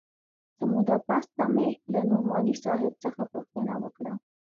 څه موده پس ته مې له نعماني صاحب څخه پوښتنه وکړه.